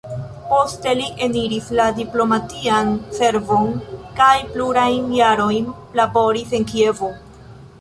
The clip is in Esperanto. Poste li eniris la diplomatian servon kaj plurajn jarojn laboris en Kievo.